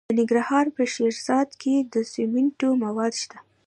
د ننګرهار په شیرزاد کې د سمنټو مواد شته.